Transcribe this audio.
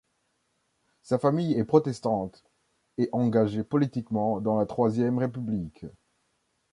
Sa famille est protestante, et engagée politiquement dans la Troisième République.